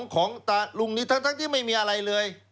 ของตาลุงนี้ทั้งที่ไม่มีอะไรเลย